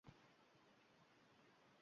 Oxir-oqibat notariusga borganda aytdim.